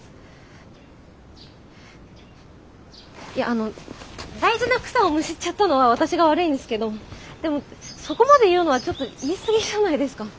あの大事な草をむしっちゃったのは私が悪いんですけどでもそこまで言うのはちょっと言い過ぎじゃないですか。